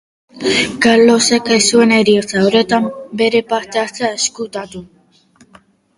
Karlosek ez zuen heriotza horretan bere parte-hartzea ezkutatu.